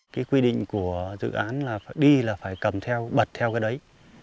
cái quy định của dự án là phải đi là phải cầm theo bật theo cái đấy